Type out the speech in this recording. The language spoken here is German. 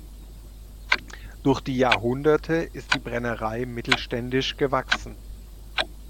Durch die Jahrhunderte ist die Brennerei mittelständisch gewachsen.